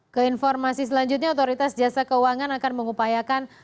keinformasi selanjutnya otoritas jasa keuangan akan mengupayakan